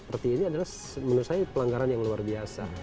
seperti ini adalah menurut saya pelanggaran yang luar biasa